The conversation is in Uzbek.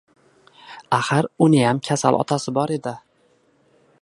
Axir uniyam kasal otasi bor edi